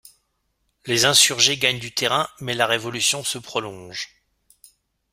Les insurgés gagnent du terrain mais la révolution se prolonge.